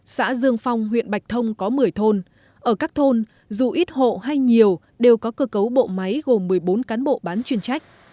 xã dương phong huyện bạch thông có một mươi thôn ở các thôn dù ít hộ hay nhiều đều có cơ cấu bộ máy gồm một mươi bốn cán bộ bán chuyên trách